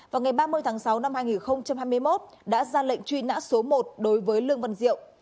vào ngày ba mươi tháng sáu năm hai nghìn hai mươi một đã ra lệnh truy nã số một đối với lương văn diệu